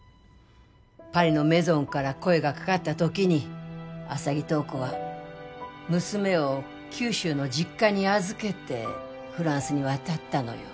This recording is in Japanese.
パリのメゾンから声がかかった時に浅葱塔子は娘を九州の実家に預けてフランスに渡ったのよ